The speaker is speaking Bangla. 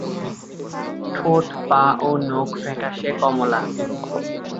ঠোঁট, পা ও নখ ফ্যাকাশে কমলা।